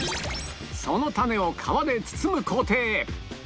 そのタネを皮で包む工程へ